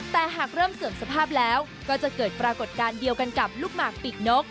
แต่หากเริ่มเสื่อมสภาพแล้วก็จะเกิดปรากฏการณ์เดียวกันกับลูกหมากปีกนก